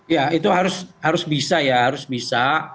ya itu harus bisa ya harus bisa